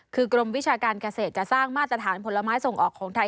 คือกรมวิชาการเกษตรจะสร้างมาตรฐานผลไม้ส่งออกของไทย